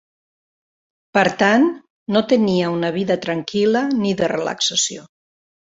Per tant, no tenia una vida tranquil·la ni de relaxació.